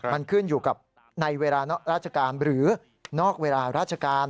มันขึ้นอยู่กับในเวลาราชการหรือนอกเวลาราชการ